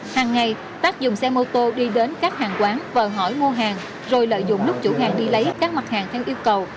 hàng ngày tác dùng xe mô tô đi đến các hàng quán vờ hỏi mua hàng rồi lợi dụng lúc chủ hàng đi lấy các mặt hàng theo yêu cầu